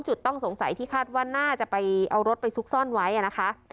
ต้องสงสัยที่คาดว่าน่าจะไปเอารถไปซุกซ่อนไว้นะคะ